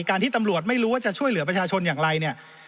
ที่ตำรวจไม่รู้ว่าจะช่วยเหลือประชาชนอย่างไรเนี่ย